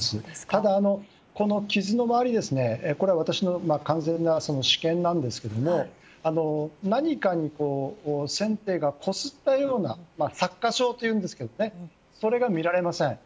ただこの傷の周り、これは私の完全な私見なんですが何かに船底がこすったような擦過傷というんですがそれが見られません。